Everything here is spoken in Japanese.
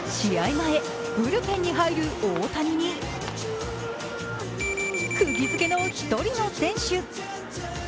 前、ブルペンに入る大谷にくぎづけの１人の選手。